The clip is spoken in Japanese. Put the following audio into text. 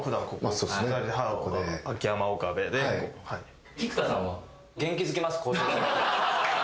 はい。